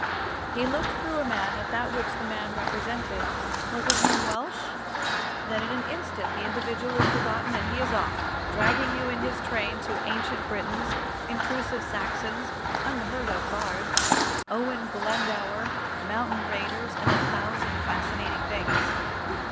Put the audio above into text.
He looked through a man at that which the man represented. Was his name Welsh? Then in an instant the individual is forgotten and he is off, dragging you in his train, to ancient Britons, intrusive Saxons, unheard of bards, Owen Glendower, mountain raiders and a thousand fascinating things.